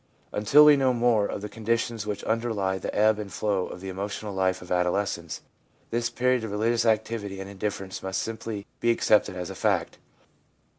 Until we know more of the conditions which underlie the ebb and flow of the emotional life of adolescence, this period of religious activity and indifference must simply be accepted as a fact.